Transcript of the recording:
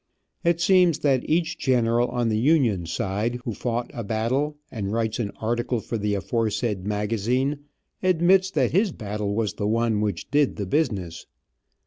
It seems that each general on the Union side, who fought a battle, and writes an article for the aforesaid magazine, admits that his battle was the one which did the business.